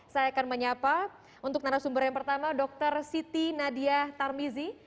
saya akan menyapa untuk narasumber yang pertama dr siti nadia tarmizi